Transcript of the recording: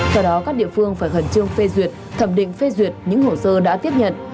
trong đó các địa phương phải hẳn chương phê duyệt thẩm định phê duyệt những hồ sơ đã tiếp nhận